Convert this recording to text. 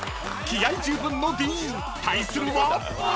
［気合十分のディーン対するは］